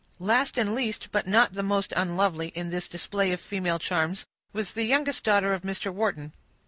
Last and least, but not the most unlovely, in this display of female charms, was the youngest daughter of Mr. Wharton.